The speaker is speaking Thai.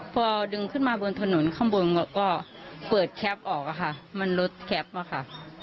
พอดึงขึ้นมาบนถนนข้างบนก็เปิดแคปออกค่ะมันลดแคปอะค่ะ